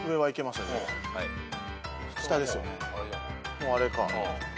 もうあれか。